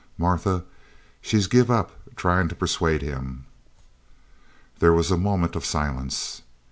Martha, she's give up tryin' to persuade him." There was a moment of silence.